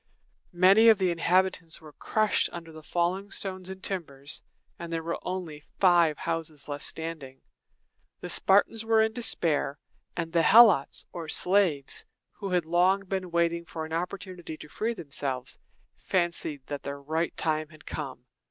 Many of the inhabitants were crushed under the falling stones and timbers, and there were only five houses left standing. The Spartans were in despair; and the Helots, or slaves, who had long been waiting for an opportunity to free themselves, fancied that the right time had come.